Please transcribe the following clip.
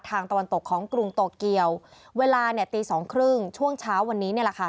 ทางตะวันตกของกรุงโตเกียวเวลาเนี่ยตี๒๓๐ช่วงเช้าวันนี้นี่แหละค่ะ